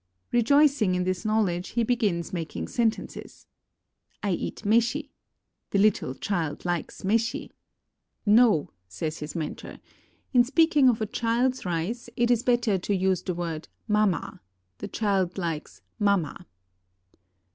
Rejoicing in this knowledge, he begins making sentences: "I eat meshi J' "The little child likes meshi." "No," says his mentor; "in speaking of a child's rice, it is better to use the word mama; the child likes mama."